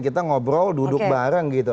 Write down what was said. kita ngobrol duduk bareng gitu